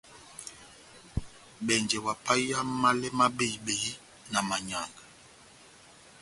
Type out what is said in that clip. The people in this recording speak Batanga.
Bɛnjɛ ohapahiya málɛ má behi-behi na manyanga.